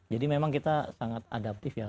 jadi memang kita sangat adaptif ya